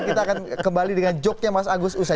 kita akan kembali dengan joke nya mas agus usai